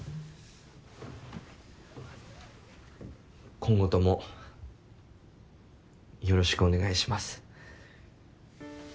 今後ともよろしくお願いします。